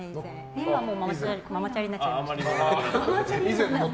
今はもう、ママチャリになっちゃいましたけど。